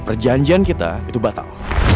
perjanjian kita itu batal